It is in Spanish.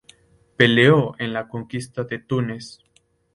Peleó en la conquista de Túnez.